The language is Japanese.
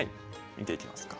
見ていきますか。